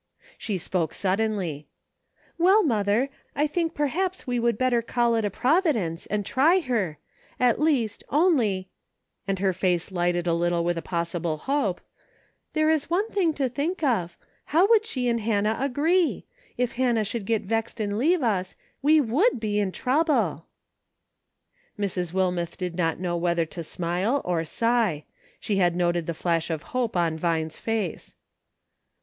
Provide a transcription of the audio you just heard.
She spoke suddenly :" Well, mother, I think perhaps we would better call it a providence, and try her, at least, only," and her face lighted a little with a possible hope, " there is one thing to think of, how would she and Hannah agree ? If Hannah should get vexed and leave us, we wou/dhe in trouble." Mrs. Wilmeth did not know whether to smile or sigh ; she had noted the flash of hope on Vine's face.